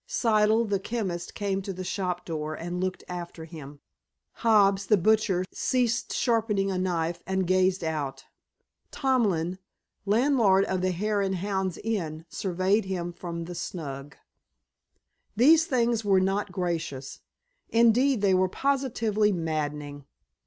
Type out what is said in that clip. Siddle, the chemist, came to the shop door, and looked after him. Hobbs, the butcher, ceased sharpening a knife and gazed out. Tomlin, landlord of the Hare and Hounds Inn, surveyed him from the "snug." These things were not gracious. Indeed, they were positively maddening.